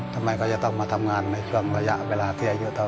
ทำไมเขาจะต้องมาทำงานในหัวอย่างเวลาที่หายู่ทำ